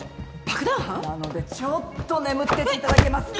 なのでちょっと眠っていただけますか？